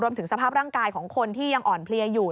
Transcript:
ถึงสภาพร่างกายของคนที่ยังอ่อนเพลียอยู่